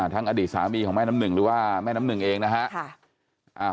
อดีตสามีของแม่น้ำหนึ่งหรือว่าแม่น้ำหนึ่งเองนะฮะ